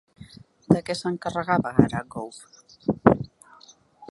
De què s'encarrega ara Gove?